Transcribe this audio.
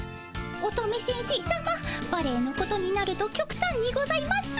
乙女先生さまバレエのことになるときょくたんにございます。